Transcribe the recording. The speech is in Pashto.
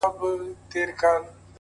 • ستا د تروم له بد شامته جنګېدله -